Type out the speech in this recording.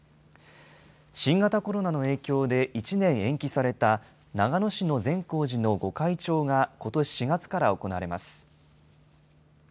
新型コロナの影響で、１年延期された長野市の善光寺の御開帳がことし４月から行われます。